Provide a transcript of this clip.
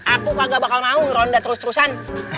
aku kagak bakal mau ngeronda terus terusan